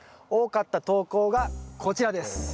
多かった投稿がこちらです。